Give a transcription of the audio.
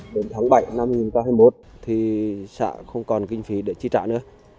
đến tháng bảy năm hai nghìn hai mươi một thì xã không còn kinh phí để chi trả nữa